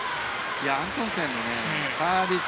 アントンセンのサービス